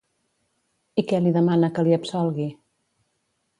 I què li demana que li absolgui?